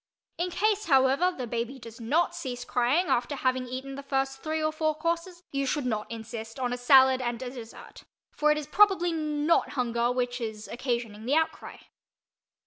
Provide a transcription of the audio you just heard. In case, however, the baby does not cease crying after having eaten the first three or four courses, you should not insist on a salad and a dessert, for probably it is not hunger which is occasioning the outcry.